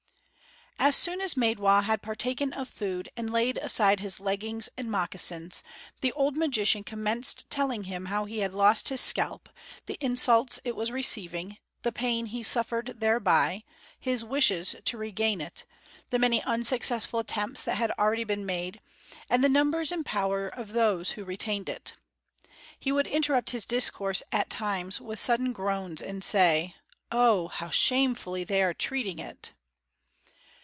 As soon as Maidwa had partaken of food and laid aside his leggings and moccasins, the old magician commenced telling him how he had lost his scalp, the insults it was receiving, the pain he suffered thereby, his wishes to regain it, the many unsuccessful attempts that had already been made, and the numbers and power of those who retained it. He would interrupt his discourse at times with sudden groans, and say: "Oh, how shamefully they are treating it."